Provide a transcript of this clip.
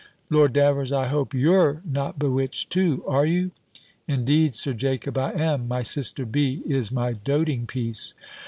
Lord Davers, I hope you're not bewitched, too, are you?" "Indeed, Sir Jacob, I am. My sister B. is my doating piece."